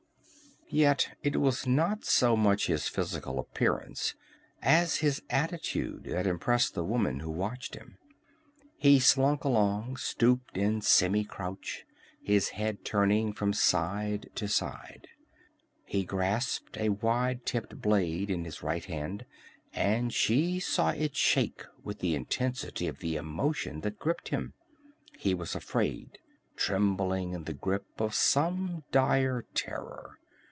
Yet it was not so much his physical appearance as his attitude that impressed the woman who watched him. He slunk along, stooped in a semi crouch, his head turning from side to side. He grasped a wide tipped blade in his right hand, and she saw it shake with the intensity of the emotion that gripped him. He was afraid, trembling in the grip of some dire terror.